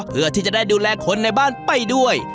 เพื่อที่จะได้ดูแลคนในบ้านไปด้วย